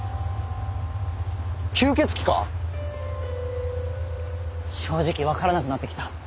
吸血鬼か⁉正直分からなくなってきた。